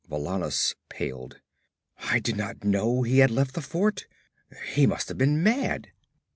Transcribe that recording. Valannus paled. 'I did not know he had left the fort. He must have been mad!'